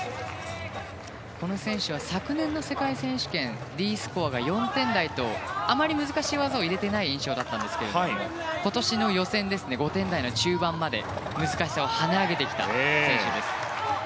この選手は昨年の世界選手権Ｄスコアが４点台とあまり難しい技を入れてない印象だったんですけど今年の予選５点台の中盤まで、難しさを跳ね上げてきた選手です。